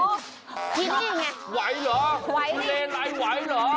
เหว์ลีเบรนไล่ไหวรอ